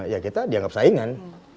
ya kita dianggap saingan